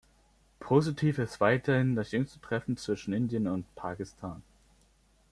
Positiv ist weiterhin das jüngste Treffen zwischen Indien und Pakistan.